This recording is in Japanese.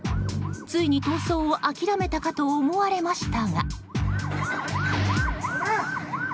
ついに逃走を諦めたかと思われましたが。